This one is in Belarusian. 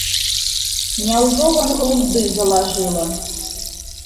Няўжо вам глузды залажыла.